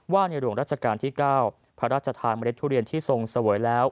ในหลวงราชการที่๙พระราชทานเมล็ดทุเรียนที่ทรงเสวยแล้ว